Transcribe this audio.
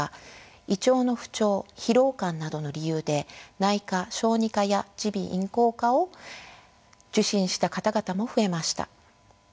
胃腸の不調疲労感などの理由で内科小児科や耳鼻咽喉科を受診した方々も増えました。